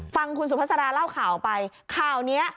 ฟังคุณสุภาษาเล่าข่าวไปข่าวนี้